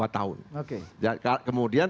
dua tahun kemudian